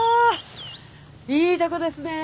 いいとこですね